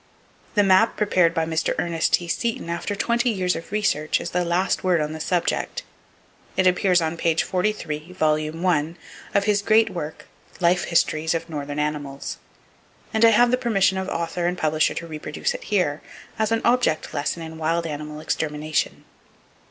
The map prepared by Mr. Ernest T. Seton, after twenty years of research, is the last word on the subject. It appears on page 43, Vol. I, of his great work, "Life Histories of Northern Animals," and I have the permission of author and publisher to reproduce it here, as an object lesson in wild animal extermination.